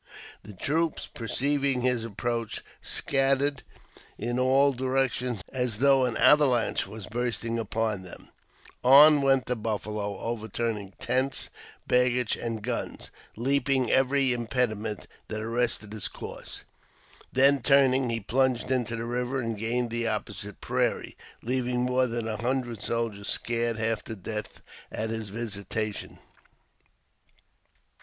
The troops, perceiving his approach, scattered in all directions as though an avalanche was bursting upon them. JAMES p. BECKWOVBTE, 86 On went the buffalo, overturning tents, baggage, and guns — leaping every impediment that arrested his course ; then, turning, he plunged into the river and gained the opposite prairie, leaving more than a hundred soldiers scared half to death at his visitation.